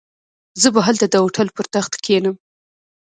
زه به هلته د هوټل پر تخت کښېنم.